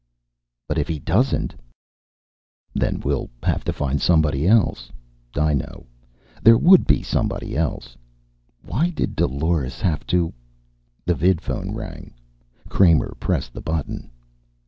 "But if he doesn't " "Then we'll have to find somebody else. I know. There would be somebody else. Why did Dolores have to " The vidphone rang. Kramer pressed the button.